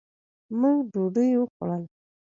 مونږ ډوډي وخوړله